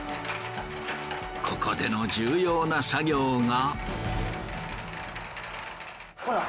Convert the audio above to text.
ここでの重要な作業が。